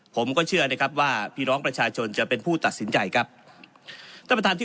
ผมก็เชื่อนะครับว่าพี่น้องประชาชนจะเป็นผู้ตัดสินใจครับท่านประธานที่